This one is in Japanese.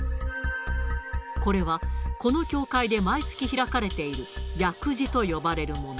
これは、この教会で毎月開かれている、役事と呼ばれるもの。